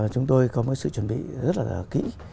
chúng tôi có một sự chuẩn bị rất là kỹ